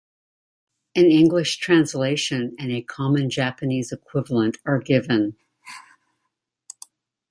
An English translation and a common Japanese equivalent are given.